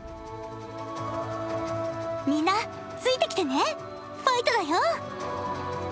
みんなついてきてねファイトだよ！